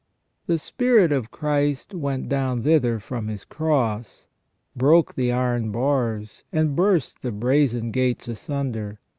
The Spirit of Christ went down thither from His Cross, broke the iron bars, and burst the brazen gates asunder.